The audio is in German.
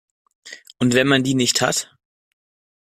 Und wenn man die nicht hat?